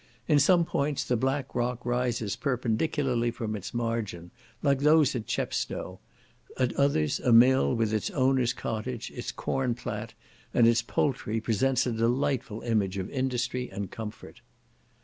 In some points, the black rock rises perpendicularly from its margin, like those at Chepstow; at others, a mill, with its owner's cottage, its corn plat, and its poultry, present a delightful image of industry and comfort.